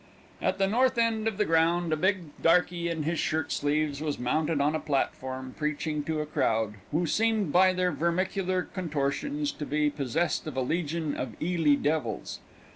At the north end of the ground, a big darkey in his shirt sleeves was mounted on a platform, preaching to a crowd, who seemed, by their vermicular contortions, to be possessed of a legion of eely devils.